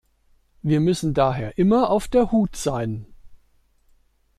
Wir müssen daher immer auf der Hut sein.